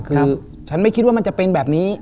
คือฉันไม่คิดว่ามันจะเป็นแบบนี้